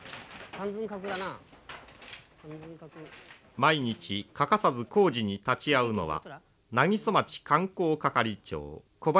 毎日欠かさず工事に立ち会うのは南木曽町観光係長小林俊彦さん